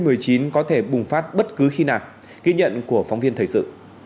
covid một mươi chín có thể bùng phát bất cứ khi nào ghi nhận của phóng viên thời sự